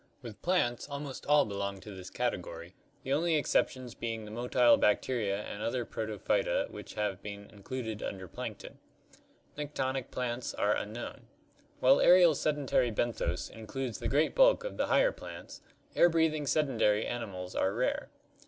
With plants, almost all belong to this category, the only exceptions being the motile bacteria and other Protophyta which have been included under plankton. Nektonic plants are unknown. While aerial sedentary benthos includes the great bulk of the higher plants, air breathing sedentary animals are rare.